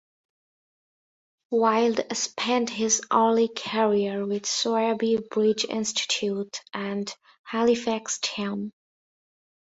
Wild spent his early career with Sowerby Bridge Institute and Halifax Town.